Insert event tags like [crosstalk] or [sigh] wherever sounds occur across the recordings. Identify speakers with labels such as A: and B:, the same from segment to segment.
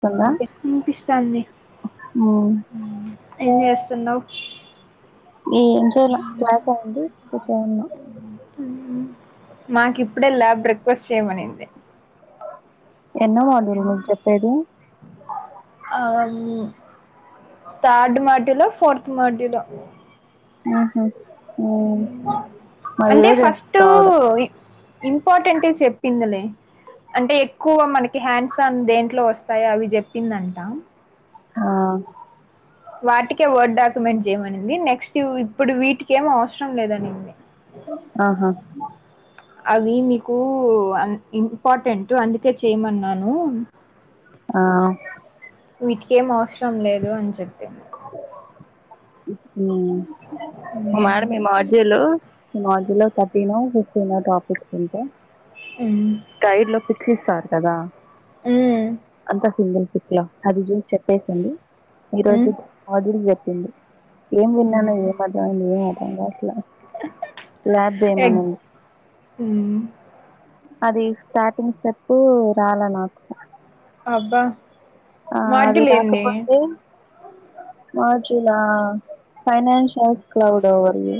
A: స్తుందా
B: హు
A: ఉమ్
B: ఏం చేస్తున్నావు
A: ఏం చేయాలే క్లాస్ అయింది కుర్చో ఉన్నా
B: ఉ మాకిఇప్పుడె ల్యాబ్ బ్రేక్ఫాస్ట్ చేయమనింది
A: ఎన్నో [unintelligible] నువ్వు చెప్పేది
B: ఆ థర్డ్ మట్టి లో ఫోర్త్ మట్టిలో
A: ఉహు
B: అంటే
A: అయింది
B: ఫస్ట్
A: థర్డ్
B: ఇంపార్టెంట్ వి చెప్పిందిలే అంటే ఎక్కువ మనకి హ్యాండ్స్ అన్ దేంట్లో వస్తాయో అవి చెప్పిందంట
A: ఆ
B: వాటికే వర్డ్ డాక్యుమెంట్ చేయమనింది నెక్స్ట్ ఇప్పుడు వీటికి ఏం అవసరం లేదు ఆనింది
A: ఆహా
B: అవి మీకు ఆన్ ఇంపార్టెంట్ అందుకే చేయమన్నాను
A: ఆ
B: వీటికేం అవసరం లేదు అని చెప్పింది
A: ఉహు మేడం
B: మ్మ్.
A: మీ మాజీలో మీ మాజ్యలో థర్టీనో ఫిఫ్టీనో టాపిక్స్ ఉంటే
B: ఉ
A: టైర్ లో పిచ్చి ఇస్తారు కదా
B: హ్మ్.
A: అంతా సింగిల్ పి లో అది చూసి చెప్పేసింది
B: హ్మ్.
A: ఈరోజు వదిన్ చెప్పింది ఏం విన్నానో
B: హ్మ్.
A: ఏం అర్థమైంది ఏం అర్థంకాట్లే ల్యాబ్
B: ఎగ్
A: చేయమనింది
B: హ్మ్.
A: అది స్టార్టింగ్ స్టెప్పు రాలేనాకు
B: అబ్బా
A: ఆ అది
B: మాడ్యూల్ ఏంది?
A: రాకపోతే మాజిలా financial cloud overview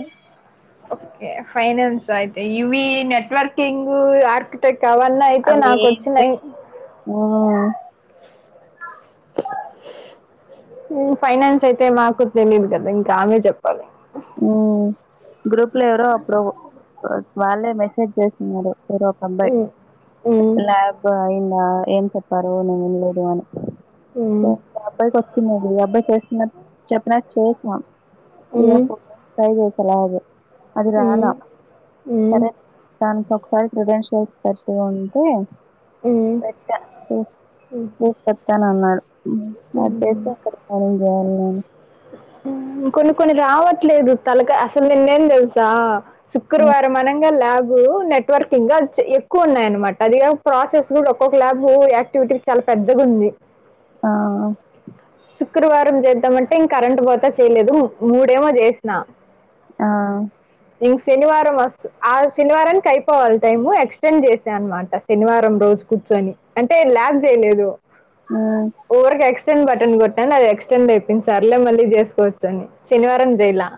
B: okay finance అయితే ఇవి నెట్వర్కింగ్ ఆర్ టే కవల్న అయితే
A: అవి ఏం లేవ్
B: నాకోచ్చినాయి [inaudible]
A: మ్మ్
B: [unintelligible] ఫైనాన్స్ అయితే మాకు తెలియదు కదా ఇంకా ఆమె చెప్పాలి
A: ఉ గ్రూప్ లో ఎవరో ఒకరు వాళ్ళే మెసేజ్ చేస్తున్నారు ఎవరో అబ్బాయి
B: హ్మ్. హ్మ్.
A: ల్యాబ్ అయిందా ఏం చెప్పారు నేను వినలేదు అని
B: హ్మ్.
A: అబ్బాయికి వచ్చిందండి అబ్బాయి చేస్తున్నట్ చెప్పినట్ చేసినా త్రీ ఆర్
B: హ్మ్.
A: ఫోర్ టైమ్స్ ట్రై చేశా లాబ్ అది రాలా
B: హ్మ్. హ్మ్. హ్మ్.
A: సరే దానికి ఒకసారి క్రిడెన్షియల్స్ పెట్టు అంటే
B: హ్మ్.
A: పెట్ట
B: హ్మ్.
A: తీస్ పెట్టానన్నాడు అది
B: హ్మ్.
A: చేసే అక్కడ పనులు చేయాలి నేను
B: ఉ కొన్ని కొన్ని రావట్లేదు తలక అసలు నిన్నేన్ తెలుసా శుక్రవారం అనంగా ల్యాబూ నెట్ నెట్ వర్కింగ్ గా ఎక్కువ ఉన్నాయనమాట అదిగాక ప్రాసెస్ కూడా ఒక్కొక్క ల్యాబ్ యాక్టివిటీ చాలా పెద్దగా ఉంది అ
A: ఆ
B: శుక్రవారం చేద్దామంటే ఇంక కరెంటు బోతే చేయలేదు మూడేమో చేసినా
A: ఆ
B: ఇంక శనివారం వస్ ఆ శనివారానికి అయిపోవాలి టైము ఎక్స్టెండ్ చేసా అనమాట శనివారం రోజు కూర్చొని అంటే ల్యాబ్ చేయలేదు
A: ఉ
B: ఓవర్గా ఎక్స్టెండ్ బటన్ కొట్టాను అది ఎక్స్టెండ్ అయి ది సర్లే మళ్ళీ చేసుకోవచ్చు అని శనివారం చేయలా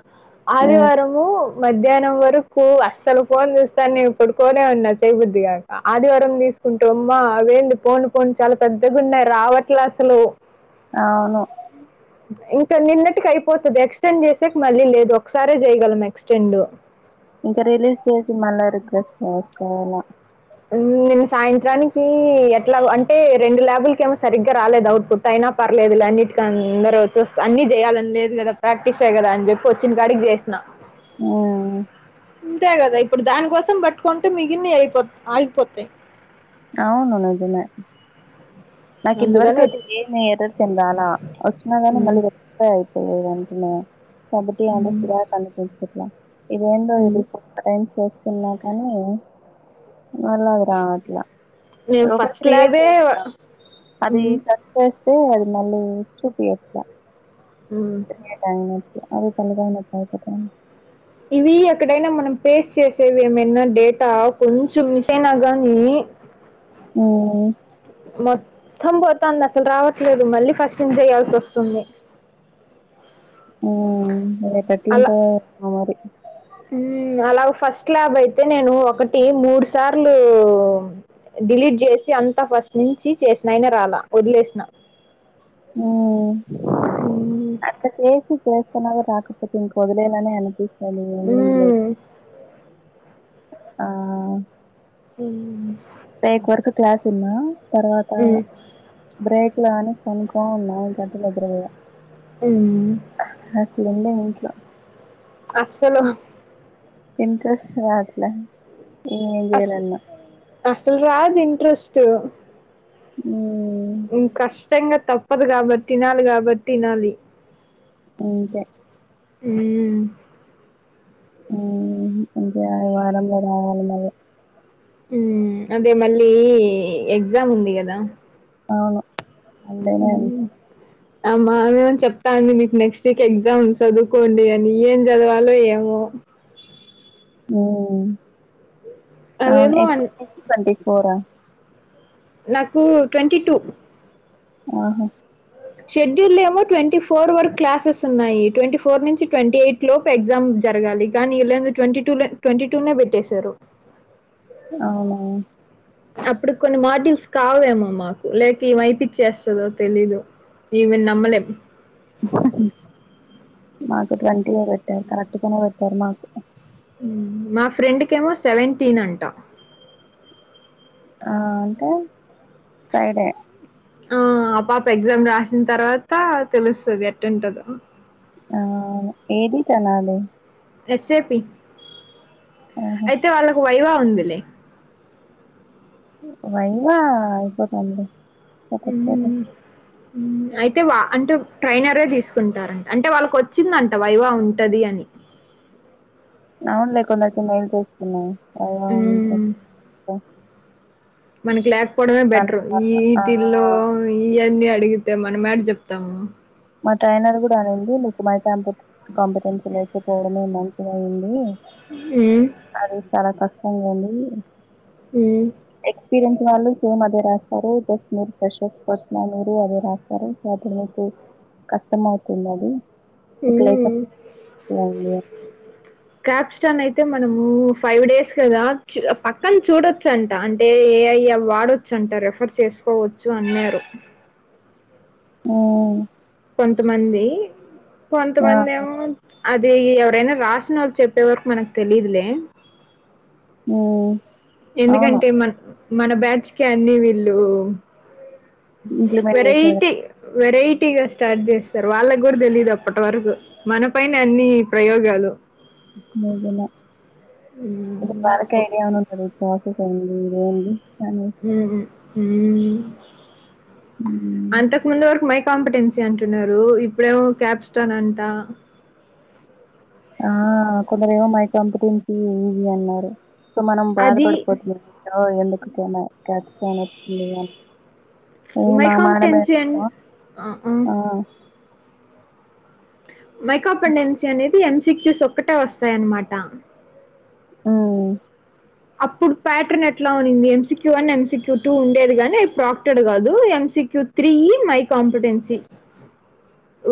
A: మ్మ్
B: ఆదివారము మధ్యాహ్నం వరకు అస్సలు ఫోన్ చూస్తా నేను పడుకోనే ఉన్నా చేయబుద్ధిగాక ఆదివారం తీసుకుంటూ అమ్మా అవేంది పోను పోను చాలా పెద్దగున్నాయి రావట్లే అసలు
A: అవును
B: ఇంకా నిన్నటికి అయిపోతుంది ఎక్స్టెండ్ చేసేకి మళ్ళీ లేదు ఒకసారే చేయగలం ఎక్స్టెండ్
A: ఇంకా రిలీజ్ చేసి మళ్ళ రిఫ్రెష్ చేసుకోవాలా
B: నిన్న సాయంత్రానికి ఎట్లా అంటే రెండు ల్యాబుల్కి ఏమో సరిగ్గా రాలేదు అవుట్పుట్ అయినా పర్లేదు లే అన్నింటికి అందరు చూస్ అన్ని చేయాలని లేదు కదా ప్రాక్టీసే కదా అని చెప్ వచ్చిన కాడికి చేసిన
A: ఉ
B: ఇంతే కదా ఇప్పుడు దాని కోసం పట్టుకుంటే మిగిలిన్ని అయిపో ఆగిపోతాయి
A: అవును నిజమే నాకు
B: అందుకని
A: ఇంతవరకు
B: వద్
A: అయితే ఏమి ఎరర్స్ ఏం రాల వచ్చిన గాని
B: హ్మ్.
A: మళ్ళీ రెక్టిఫై అయిపోయయి వెంటనే సబటి అంటే
B: హ్మ్.
A: చిరాక్ అనిపించట్లా ఇది ఏంటో
B: హ్మ్.
A: ఇది ఆరేంజ్ చేస్తున్నా కానీ వాళ్ళ లాగా రావట్లే
B: నేను
A: లోపల
B: ఫస్ట్
A: క్ర్రియేట్
B: ల్యాబే
A: చేస్తున్న అది
B: హ్మ్.
A: [unintelligible] వస్తే అది మళ్ళీ చూపియట్ల
B: ఉమ్
A: యా అది తల నొప్పి తలకాయ నొప్పి అయిపోతంది
B: ఇవి ఎక్కడైనా మనం పేస్ట్ చేసేవి ఏమైన్నా డేటా కొంచెం మిస్ అయినా కానీ
A: ఉ
B: మొత్తం పోతుంది అసలు రావట్లేదు మళ్ళీ ఫస్ట్ నుంచి చేయాల్సి వస్తుంది
A: ఉమ్ రేపు ఎట్లా ఉంటదో మరి
B: ఉమ్ అలాగ ఫస్ట్ ల్యాబ్ అయితే నేను ఒకటి మూడు సార్లు డిలీట్ చేసి అంత ఫస్ట్ నుంచి చేసిన అయిన రాలా వదిలేసిన
A: ఉమ్
B: హ్మ్.
A: అక్కడ చేసి చేస్తన్న రాకపోతే ఇంకా వదిలేయాలి అనే అనిపిస్తది లే
B: హ్మ్.
A: ఆ
B: ఉ
A: ఎయిట్ వరకు క్లాస్ విన్నా తర్వాత
B: హ్మ్.
A: బ్రేక్ లే అని పనుకుని ఉన్నా ఇంకా అట్లా నిద్రపోయిన
B: ఉ
A: అట్లుంది ఇంట్లో
B: అసలు
A: ఇంట్రెస్ట్ రాట్ల ఏం
B: అస్
A: చేయాలన్న
B: అసలు రాదు ఇంట్రెస్ట్
A: ఉ
B: కష్టంగా తప్పదు కాబట్టి వినాలి కాబట్టి ఇనాలి
A: ఇంకా
B: ఉమ్మ్
A: ఊ ఇంకా వారంలో రావాలి మరి
B: ఉ అదే మళ్ళీ ఎగ్జామ్ ఉంది కదా
A: అవును మండేనే
B: ఉమ్ ఆమెమో చెప్తా ఉంది మీకు నెక్స్ట్ వీక్ ఎగ్జామ్ చదువుకోండి అని ఏం చదవాలో ఏమో
A: ఊ అవును
B: అవేమో అన్
A: ఎపుడు ట్వంటీ ఫోర్ హా
B: నాకు ట్వంటీ టూ
A: ఆహా
B: షెడ్యూల్ లో ఏమో ట్వంటీ ఫోర్ వరకు క్లాసెస్ ఉన్నాయి ట్వంటీ ఫోర్ నుంచి ట్వంటీ ఎయిట్ లోప్ ఎగ్జామ్ జరగాలి కానీ ఇలందో ట్వంటీ టూ ట్వంటీ టూనే పెట్టేశారు
A: అవునా
B: అప్పుడు కొన్ని మాడుల్స్ కావాలేమో మాకు లేక ఈమె ఏపీచేస్తదో తెలీదు ఈమెను నమ్మలేం
A: మాకు ట్వంటీగా పెట్టారు కరెక్ట్ గానే పెట్టారు మాకు
B: హుము మా ఫ్రెండ్కేమో సెవెంటీన్ అంట
A: ఆ అంటే ఫ్రైడే
B: ఆ పాప ఎగ్జామ్ రాసిన తర్వాత తెలుస్తది ఎట్లుంటదో
A: అవునవును ఏదీ [unintelligible]
B: [unintelligible]
A: ఆహా
B: అయితే వాళ్ళకు వైవా ఉందిలే
A: వైవా అయిపోతదిలే అప్పటి లోపు
B: హ్మ్. అయితే వా అంటే ట్రైనరే తీసుకుంటారంట అంటే వాళ్ళకి వచ్చిందంట వైవా ఉంటది అని
A: అవున్లే కొందరికీ మేల్ చేస్తున్నా అ [inaudible]
B: హ్మ్. మనకి లేక్ పోవడమే బెటర్
A: మనకి రాదు. ఆ
B: ఈటిల్లో ఇఅన్ని అడిగితే మనమేడ జెప్తాము.
A: మా ట్రైనర్ గూడ అనింది. మీకు మై శాంపు కాంపిటెన్షీల్ లేకపోవడమే మంచి దైంది.
B: ఊ
A: అది చాలా కష్టం లేండి.
B: ఊ
A: ఎక్స్పీరియన్స్ వాళ్ళు సేమ్ అదే రాస్తారు. జస్ట్ మీరు ఫ్రెషర్స్ వచ్ న మీరు అదే రాస్తారు. మాకు ను మీకు కష్టమవుతున్నది.
B: ఊ
A: [unintelligible]
B: క్యాప్ స్టన్ అయితే మనము ఫైవ్ డేస్ గదా చి పక్కన చూడొచ్చన్ అంటే ఏ ఐ వాడొచ్చు అంట రెఫర్ చేసుకోవచ్చు అన్నారు.
A: ఊ
B: కొంతమంది
A: ఆ,
B: కొంతమంది ఏమో అది ఎవరైనా రాసిన వోళ్ళు చెప్పే వరకు మనకు తెలీదులే
A: ఊ
B: ఎందుకంటే మన మన బ్యాచ్ కి అన్నీ వీళ్ళు
A: ఇంప్లిమెంట్ చేశారు
B: వెరైటీ వెరైటీగా స్టార్ట్ జేస్తారు. వాళ్ళకి గూడ తెలీదు అప్పటి వరకు మన పైన అన్ని ప్రయోగాలు.
A: నిజమే వాళ్ళకి
B: ఉమ్,
A: ఐడియా అని ఉంటది. ప్రొసెస్ అయింది ఇదేంది అని
B: ఉహు ఊ
A: ఉమ్
B: అంతకు ముందు వరకు మై కాంపిటెన్సీ అంటున్నారు. ఇప్పుడేమో క్యాప్స్టాన్ అంటా!
A: ఆ కొందరేమో మై కంపిటెన్సీ ఈజీ అన్నారు. సో మనం
B: అది
A: బాధపడిపోతు ఆ ఎందుకు తినవ్ క్యాప్స్టాన్ అయితే అని ఈ
B: మై
A: మా మేడం
B: కాంపిటెన్సీ
A: ఏమో
B: అన్
A: ఆ
B: మైకోపెండెన్సీ అనేది ఎన్క్యూస్ ఒక్కటే వస్తాయన్నమాట.
A: ఊ
B: అప్పుడు ప్యాటర్న్ ఎట్లా ఉనింది. ఎంసీక్యూ వన్ ఎంసక్యూ టూ ఉండేది. గనీ ప్రాక్టెడ్ గాదు ఎంసిక్యూ త్రీ ఈ మై కాంపిటెన్సీ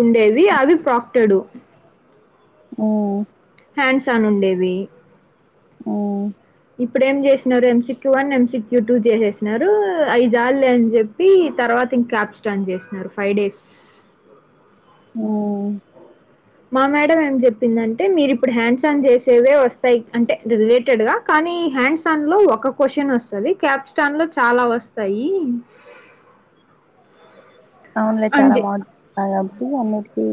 B: ఉండేవి అవి ప్రాక్టెడు
A: ఊ
B: హ్యాండ్స్ అన్ ఉండేవి.
A: ఊ
B: ఇప్పుడు ఏం జేశినరు ఎంసిక్యూ వన్ ఎంసిక్యూ టూ జేసేసినారు అవి జాళ్లే అని చెప్పి ప్పి తర్వాత ఇంకా క్యాబ్ స్టండ్ జేసినారు ఫైవ్ డేస్
A: ఊ
B: మా మేడం ఏం జెప్పింది అంటే మీరు ఇప్పుడు హ్యాండ్స్ ఆన్ జేసేవే వోస్తయి అంటే రిలేటెడ్ గా కనీ హ్యాండ్సన్ లో ఒక క్వశ్చన్ వోస్తది. క్యాప్స్టాన్ లో చాలా వస్తయి. [inaudible]
A: అవునులే చాలా మాడ్ కాబట్టి అన్నిటికీ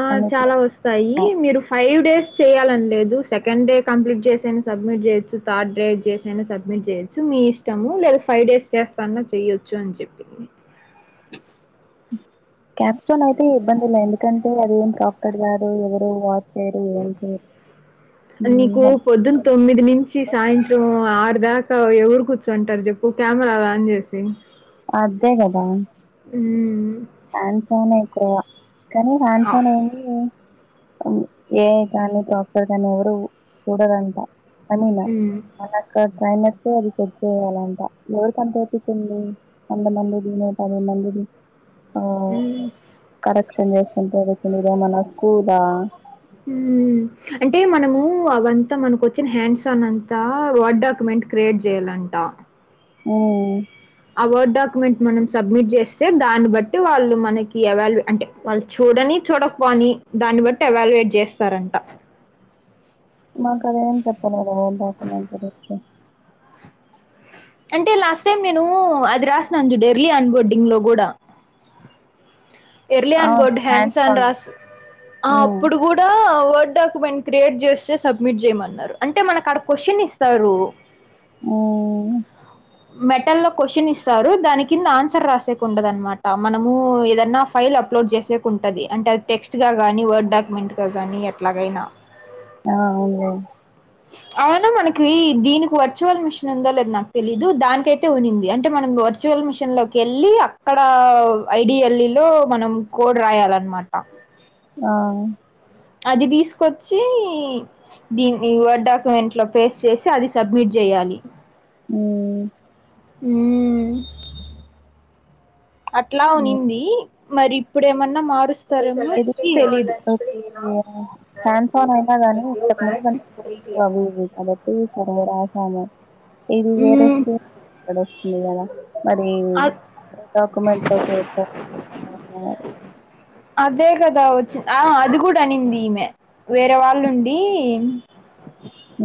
B: ఆ
A: అన్నిట్లో
B: చాలా వస్త్ సయ్యీ
A: ఏమో
B: మీరు ఫైవ్ డేస్ చేయాలన్లేదు సెకండ్ డే కంప్లీట్జేసైన్ సబ్మిట్ జెయొచ్చు. థార్డ్ డే చేసైనా సబ్మిట్ చేయొచ్చు మీ ఇష్టము లేదా ఫైవ్ డేస్ చేస్తాన్నా చెయొచ్చు అన్చెప్ప్
A: క్యాప్స్ట్రోన్ అయితే ఇబ్బందిలే ఎందుకంటే అది ఏం ప్రాప్తటి గాదు ఎవరో వా [unintelligible]
B: మిది నుంచ్ చ్చి సాయంత్రం ఆరు దాకా ఎవరు కూచ్చుంటారు చెప్పు కేమెరాలాన్ జేసి
A: అద్దే కదా!
B: ఉమ్ ఉ
A: హాండ్సానె ఎక్కువగ కానీ
B: అవ్
A: హాండ్సనేమి అ ఏఐక్ గానీ ప్రాప్పర్ గాన్ని ఎవరూ చూడరంట. అనిన
B: హ్మ్.
A: మళ్ళక్కడ్ ట్రైనర్స్ తో అది చెక్ చెయ్యాలంట. ఎవరికంత ఓపికుంది? వంద మంది దినే పది మందిది ఆ
B: హ్మ్.
A: కరెక్షన్ జేస్తుంటదొచ్చింది ఇదేన్నన్న స్కూలా?
B: ఊ అంటే మనమూ అవంత మనకొచ్చిన హ్యాండ్సన్ అంతా వర్డాక్యుమెంట్ క్రియేట్ జెయ్యాలంట.
A: ఉ ఊ
B: ఆ వర్డ్ డాక్యుమెంట్ మనం సబ్మిట్ జేస్తే దాన్ని బట్టి వాళ్ళు మనకి ఎవల్యు అంటె వాళ్ళు చూడనీ చూడక్పోనీ దాన్ని బట్టెవాల్యువేట్ జేస్తారంట.
A: మాకదేం చెప్పలేదె వాడ్డాక్యుమెంట్ గురించి
B: అంటే లాస్ట్ టైం నేనూ అది రాసినను జూడెర్లీ అన్బోర్డింగ్ లో గూడా ఎర్లీ
A: అవును
B: అన్బోడ్
A: హ్యాండ్స్ పన్
B: హ్యాండ్సాండ్రాస్ అహా
A: ఉమ్
B: అప్పుడు గూడ్ డా వర్డాక్యుమెంట్ క్రియేట్ జేస్తే సబ్మిట్ చేయమన్నారు. అంటే మనకాడ క్వశ్చన్ ఇస్తారు.
A: ఊ హు
B: మెటల్లో క్వశ్చనిస్తారు దాని కింద ఆన్సర్ రాసేకుండదన్మాట మనమూ ఏదన్నా ఫైల్ అప్లోడ్ చేస్త్ చెకుంటది. అంటే అద్టెక్స్ట్ గా గానీ వర్డాడాక్యుమెంట్ గా గానీ ఎట్లాగైనా
A: ఆ అవున్లే.
B: అవును మనకీ దీనికి వర్చువల్ మిషనుందో లేదొ నాక్తెలియద్ ది దాన్కైతే ఉండింది. అంటే మనం వర్చువల్ మిషన్లోకెళ్ళి అక్కడా ఐడిఎల్లిల్లో మనం కోడ్ రాయాలన్మాట.
A: ఆ అవును.
B: అది దీస్కొచ్చీ దీన్కీ ఈ వర్డాక్యుమెంట్ల పేస్ట్ చేసి అది సబ్మిట్ జెయ్యాలి.
A: ఊ
B: ఉమ్ ఉ అట్లా ఉనిందీ మరి ఇప్పుడేమన్న మారుస్
A: ఎదికి [unintelligible] అయినా గానీ ఇంతకు ముందు [unintelligible] అది ఇది అందర్ ఇది సగం వరాసాము. ఇది వేరే
B: మ్మ్.
A: స్సూ ఇదొస్తుంది గదా! మరీ
B: అ-
A: డాక్యుమెంట్లో చేయొచ్చా? సరే అండి మరి.
B: అదే గదా వచ్చిం ఆ అది గూడా అనిందీమె వేరే వాళ్ళుండీ!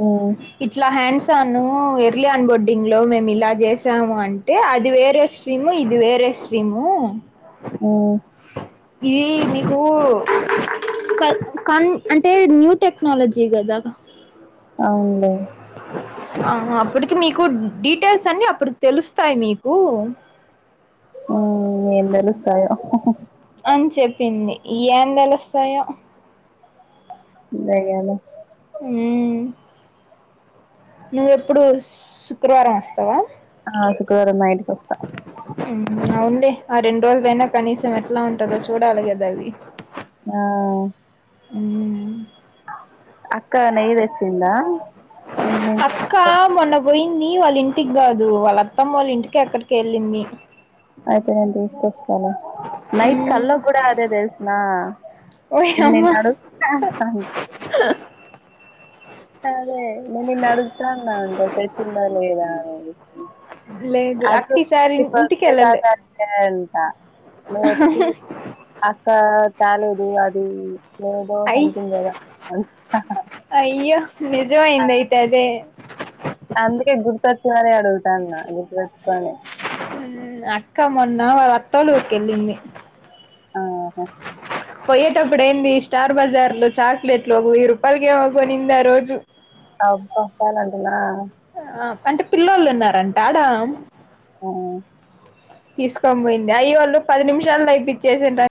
A: ఊఉ
B: ఇట్లా హ్యాండ్సోనూ వెర్లీ అన్బోర్డింగ్ లో మేమిలా జేశాము అంటే అది వేరే స్ స్ట్రీము ఇది వేరే స్ట్రీము.
A: ఉహ్
B: ఇది మీకు క కన్ అంటే న్యూ టెక్నాలజీ గదా
A: అవున్లే
B: ఆహా అప్పటికి మీకు డీటెయిల్స్ అన్ని అప్పుడుకి తెలుస్తాయి మీకు
A: ఉహ్ ఏం దేలుస్తాయో ఉహుహ్
B: ఆన్ చెప్పింది యాన్ దేలుస్తాయో.
A: దయాల
B: ఉహ్ నువ్వెప్పుడు స్ శుక్రవారం వస్తావా.
A: ఆకు కూర నైట్ తెస్తా.
B: ఉహ్ అవుండే ఆ రెండు రోజులైనా కనీసం ఎట్లా ఉంటందో చూడాలి గదా అవీ.
A: నా
B: ఉహుహ్
A: అక్క నెయ్యి దేచ్చినా.
B: కా మొన్న బోయింది వాళ్ళ ఇంటికి గాదు, వాళ్ళ అత్తమోల్ ఇంటికి ఎక్కడికి వెళ్ళింది.
A: అయితే నేన్ తీసుకోస్తాలే నైట్
B: మ్మ్.
A: కల్ కూడా అదే దేల్సనా.
B: ఓయ్ హమ్మా
A: చేస్తాన్ అదే నీన్ అడుగుతాన్నా అంత తెచ్చిందా లేదా అనేది.
B: లేదు
A: అందు
B: అక్క ఈసారి ఇంటికి
A: పిపరిస్తే
B: వెళ్ళలే
A: సర్ధార్ ఎంత నువ్ వచ్చి అక్క తాలేదు అది లేదో
B: అయ్యి
A: సంకింగ్ గదా ఆన్
B: అయ్యో నిజం అయింది అయితే అదే
A: అందుకే గుర్తొచ్చి మరీ అడుగుతన్నా గుర్తు వేట్టుకొని
B: ఉహ్ అక్క మొన్న వాళ్ళ అత్తోలూరికి ఏళ్ళింది.
A: ఆహా
B: ఆ పోయ్యేటప్పుడు ఏంది స్టార్ బజార్ లో చాక్లెట్లు ఓగా ఓయి రూపాయలకి ఏవో గొనింది ఆ రోజు
A: అబ్బో సలంటానా
B: ఆ అంటే పిల్లొల్లున్నారంట అడా
A: ఉహుహ్
B: తీసుకొన్ బోయింది అయ్యోళ్ళు పది నిమిషాల్లో యిపిచ్చేసింటర్